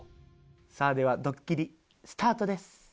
さあではドッキリスタートです。